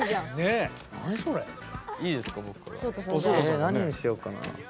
ええ何にしようかな。